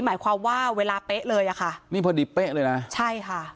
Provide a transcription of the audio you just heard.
หมายความว่าเวลาเป๊ะเลยอ่ะค่ะนี่พอดีเป๊ะเลยนะใช่ค่ะ